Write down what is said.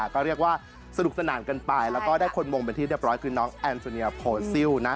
ก็เรียกว่าสนุกสนานกันไปแล้วก็ได้คนมงเป็นที่เรียบร้อยคือน้องแอนโซเนียโพซิลนะ